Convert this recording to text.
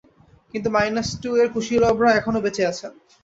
কিন্তু minus two এর কুশীলবরা এখনো বেঁচে আছেন।